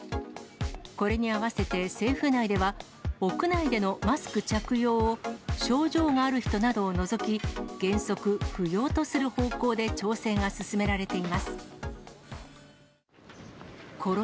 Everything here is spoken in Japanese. これに合わせて、政府内では、屋内でのマスク着用を症状がある人などを除き、原則不要とする方向で調整が進められています。